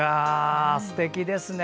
すてきですね。